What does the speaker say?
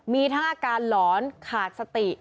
มีท่าการหลอนขาดสติ